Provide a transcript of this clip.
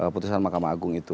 putusan mahkamah agung itu